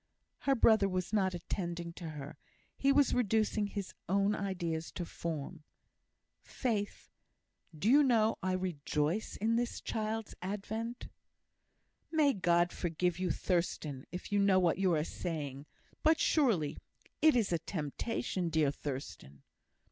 Her brother was not attending to her; he was reducing his own ideas to form. "Faith, do you know I rejoice in this child's advent?" "May God forgive you, Thurstan! if you know what you are saying. But, surely, it is a temptation, dear Thurstan."